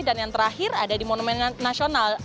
dan yang terakhir ada di monumen nasional